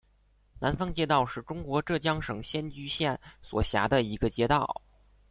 南峰街道是中国浙江省仙居县所辖的一个街道。